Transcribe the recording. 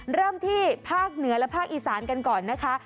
เริ่มที่ภาคเหนือและภาคอีสานกันก่อนนะคะ